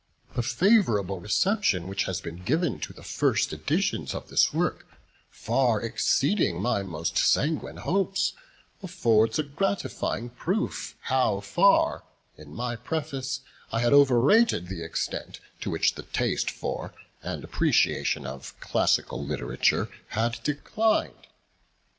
The favourable reception which has been given to the first Editions of this work, far exceeding my most sanguine hopes, affords a gratifying proof how far, in my preface, I had overrated the extent to which the taste for, and appreciation of, Classical Literature had declined.